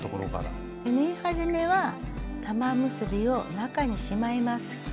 縫い始めは玉結びを中にしまいます。